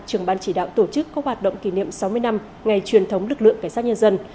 trưởng ban chỉ đạo tổ chức các hoạt động kỷ niệm sáu mươi năm ngày truyền thống lực lượng cảnh sát nhân dân